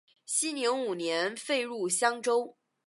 熙宁五年废入襄州。